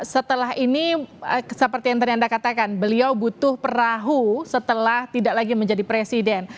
setelah ini seperti yang tadi anda katakan beliau butuh perahu setelah tidak lagi menjadi presiden